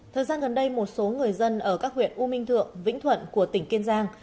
thời gian gần đây một số người dân ở các huyện u minh thượng vĩnh thuận của tỉnh kiên giang